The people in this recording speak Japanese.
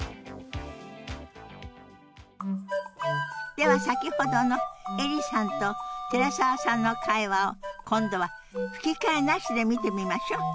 では先ほどのエリさんと寺澤さんの会話を今度は吹き替えなしで見てみましょう。